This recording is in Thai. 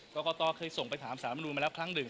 กรกตเคยส่งไปถามสารมนุนมาแล้วครั้งหนึ่ง